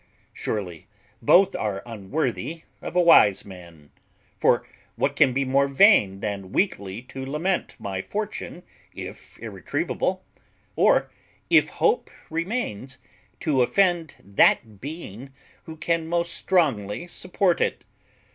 Surely both are unworthy of a wise man; for what can be more vain than weakly to lament my fortune if irretrievable, or, if hope remains, to offend that Being who can most strongly support it?